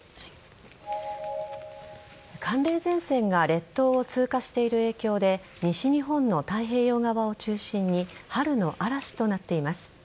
寒冷前線が列島を通過している影響で西日本の太平洋側を中心に春の嵐となっています。